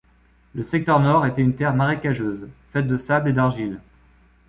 Le secteur nord était une terre marécageuse, faite de sable et d'argile.